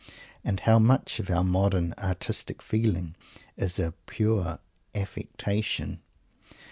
And how much of our modern "artistic feeling" is a pure affectation!